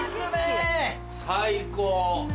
最高！